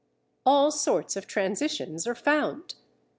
All sorts of transitions are found.